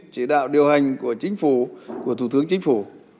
chỉ đạo điều hành của thủ tướng chính phủ